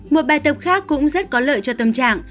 một bài tập khác cũng rất có lợi cho tâm trạng